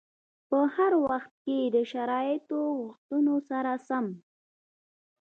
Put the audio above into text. په هر وخت کې د شرایطو غوښتنو سره سم.